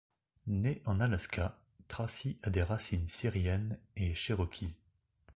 Née en Alaska, Traci a des racines syriennes et cherokees.